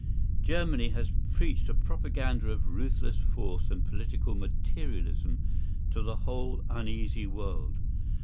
Germany has preached a propaganda of ruthless force and political materialism to the whole uneasy world.